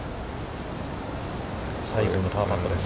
西郷のパーパットです。